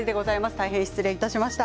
大変失礼いたしました。